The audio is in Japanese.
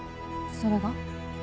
それが？